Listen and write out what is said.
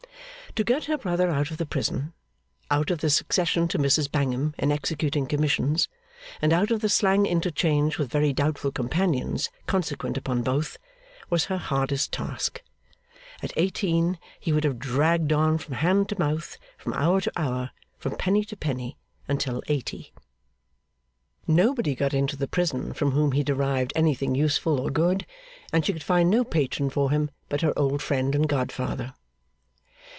To get her brother out of the prison; out of the succession to Mrs Bangham in executing commissions, and out of the slang interchange with very doubtful companions consequent upon both; was her hardest task. At eighteen he would have dragged on from hand to mouth, from hour to hour, from penny to penny, until eighty. Nobody got into the prison from whom he derived anything useful or good, and she could find no patron for him but her old friend and godfather.